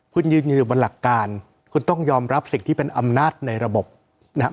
คุณยืนอยู่บนหลักการคุณต้องยอมรับสิ่งที่เป็นอำนาจในระบบนะครับ